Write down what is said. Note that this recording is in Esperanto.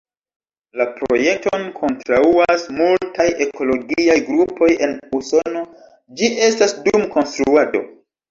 La projekton kontraŭas multaj ekologiaj grupoj en Usono, ĝi estas dum konstruado.